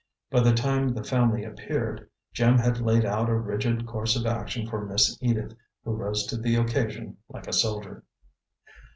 By the time the family appeared, Jim had laid out a rigid course of action for Miss Edith, who rose to the occasion like a soldier.